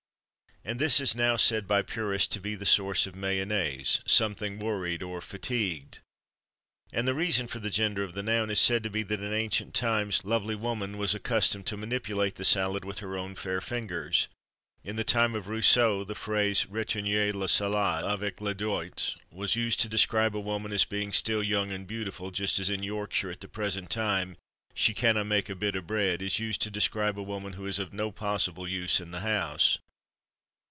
And this is now said by purists to be the source of Mayonnaise "something worried," or fatigued. And the reason for the gender of the noun is said to be that in ancient times lovely woman was accustomed to manipulate the salad with her own fair fingers. In the time of Rousseau, the phrase retourner la salade avec les doigts was used to describe a woman as being still young and beautiful; just as in Yorkshire at the present time, "she canna mak' a bit o' bread" is used to describe a woman who is of no possible use in the house.